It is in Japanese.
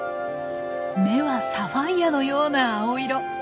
目はサファイアのような青色！